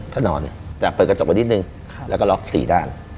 ก็สตาร์ทรด